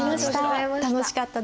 ねえ楽しかった。